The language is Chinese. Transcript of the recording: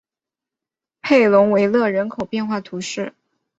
佩龙维勒人口变化图示